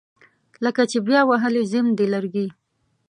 لکه چې بیا وهلي زیم دي لرګي